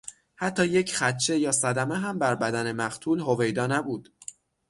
حتی یک خدشه یا صدمه هم بر بدن مقتول هویدا نبود.